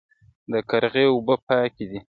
د قرغې اوبه پاکې دي